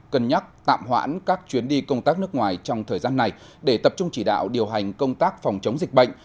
cân nhắc tạm hoãn các chuyến đi công tác nước ngoài trong thời gian này để tập trung chỉ đạo điều hành công tác phòng chống dịch bệnh